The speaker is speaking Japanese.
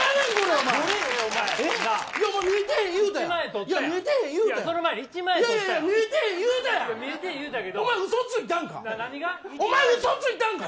お前、うそついたんか。